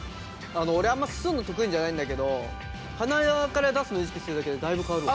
俺あんまりすするの得意じゃないんだけど鼻側から出すの意識するだけでだいぶ変わるわ。